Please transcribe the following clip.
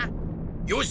よし！